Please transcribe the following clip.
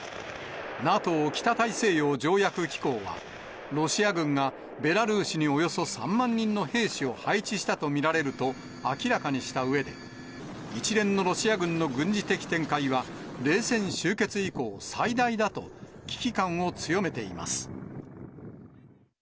ＮＡＴＯ・北大西洋条約機構は、ロシア軍がベラルーシに、およそ３万人の兵士を配置したと見られると明らかにしたうえで、一連のロシア軍の軍事的展開は、冷戦終結以降、最大だと、危機感を強めています。